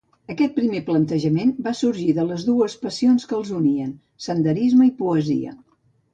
Aquest primer plantejament va sorgir de les dues passions que els unien: senderisme i poesia.